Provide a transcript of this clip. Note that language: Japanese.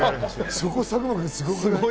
そこ、佐久間君、すごくない？